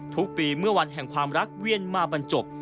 ทุกปีเมื่อวันแห่งความรักเวียนมาบรรจบ